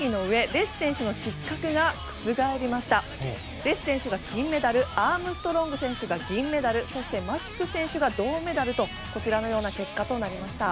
レス選手が金メダルアームストロング選手が銀メダルそして、マシュク選手が銅メダルとこちらのような結果となりました。